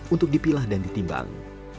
untuk dipilah dan ditimbang